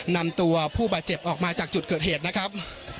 นำตัวผู้บาดเจ็บออกมาจากจุดเกิดเหตุนะครับ